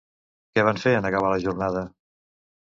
Què van fer en acabar la jornada?